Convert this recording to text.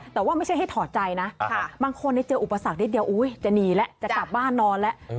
แต่ว่าไม่ใช่ให้ถอดใจนะบางคนเจออุปสรรคนิดเดียวจะหนีแล้วจะกลับบ้านนอนแล้ว